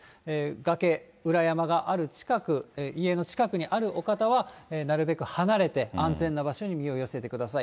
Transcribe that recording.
がけ、裏山がある近く、家の近くにあるお方は、なるべく離れて、安全な場所に身を寄せてください。